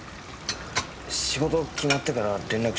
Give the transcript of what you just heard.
仕事決まってから連絡しようと思って。